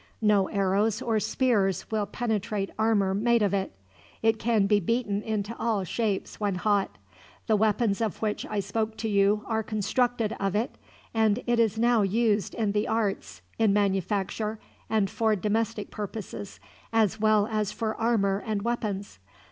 No arrows or spears will penetrate armor made of it. It can be beaten into all shapes, when hot. The weapons of which I spoke to you are constructed of it, and it is now used in the arts, in manufacture, and for domestic purposes, as well as for armor and weapons.